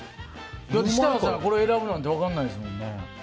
設楽さんがこれを選ぶなんて分からないですもんね。